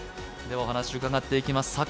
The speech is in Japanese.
お話うかがっていきます。